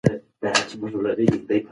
هغه زما د زړه یوازینۍ ملګرې ده.